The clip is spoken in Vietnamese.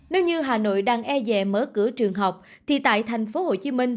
nếu như hà nội đang e dè mở cửa trường học thì tại tp hcm